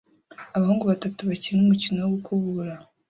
Abahungu batatu bato bakina umukino wo gukurura